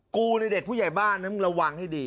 ในเด็กผู้ใหญ่บ้านนั้นมึงระวังให้ดี